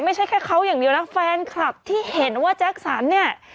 ไม่ใช่แค่เขาอย่างเดียวนะแฟนคลับที่เห็นว่าแจ็คสันเนี่ย